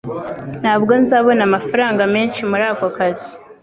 Ntabwo nzabona amafaranga menshi muri ako kazi.